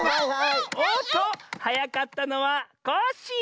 おっとはやかったのはコッシー！